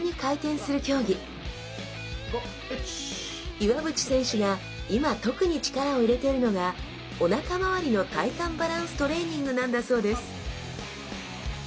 岩渕選手が今特に力を入れているのがおなかまわりの体幹バランストレーニングなんだそうです